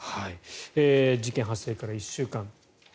事件発生から１週間。